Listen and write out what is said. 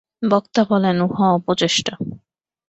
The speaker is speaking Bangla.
বক্তা বলেন, উহা অপচেষ্টা।